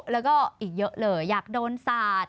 แล้วก็อีกเยอะเลยอยากโดนสาด